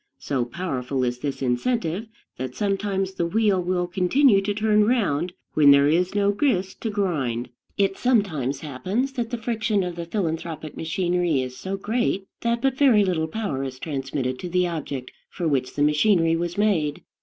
So powerful is this incentive that sometimes the wheel will continue to turn round when there is no grist to grind. It sometimes happens that the friction of the philanthropic machinery is so great that but very little power is transmitted to the object for which the machinery was made.